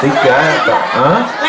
berapa juta itu berapa